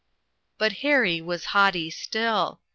But Harry was haughty still.